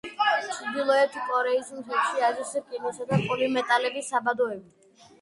ჩრდილოეთ კორეის მთებში არის რკინისა და პოლიმეტალების საბადოები.